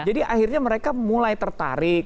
jadi akhirnya mereka mulai tertarik